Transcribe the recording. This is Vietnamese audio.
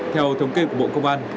theo thống kê của bộ công an